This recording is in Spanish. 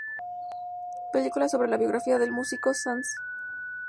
Película sobre la biografía del músico Franz Schubert.